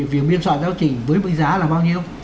việc biên soạn giáo chỉnh với mức giá là bao nhiêu